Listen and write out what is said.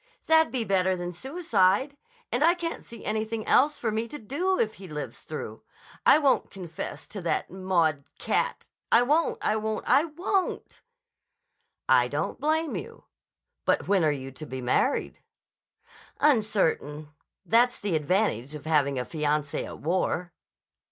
"That'd be better than suicide. And I can't see anything else for me to do if he lives through. I won't confess to that Maud cat! I won't! I won't! I won't!" "I don't blame you. But when are you to be married?" "Uncertain. That's the advantage of having a fiancé at war."